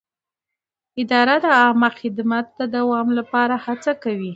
اداره د عامه خدمت د دوام لپاره هڅه کوي.